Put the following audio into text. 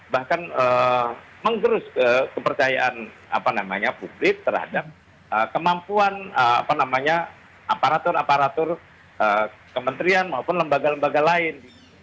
bahkan menggerus kepercayaan publik terhadap kemampuan aparatur aparatur kementerian maupun lembaga lembaga lain